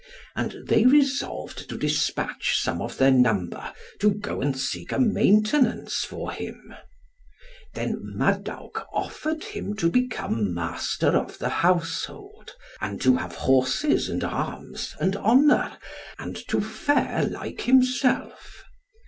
And they resolved to despatch some of their number to go and seek a maintenance for him. Then Madawc offered him to become Master of the Household and to have horses, and arms, and honour, and to fare like as himself.